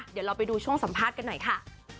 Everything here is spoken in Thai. เดี๋ยวเราไปดูช่วงสัมภาษณ์กันหน่อยค่ะ